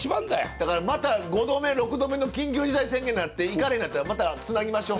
だからまた５度目６度目の緊急事態宣言になって行かれへんなったらまたつなぎましょう。